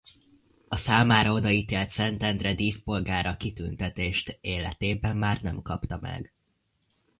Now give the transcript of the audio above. A számára odaítélt Szentendre díszpolgára kitüntetést életében már nem kapta meg.